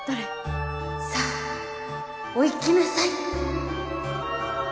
さあお行きなさい。